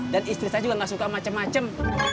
dan istri saya juga enggak suka macem macem